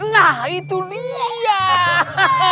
nah itu dia hahaha